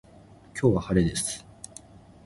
今日は晴れです。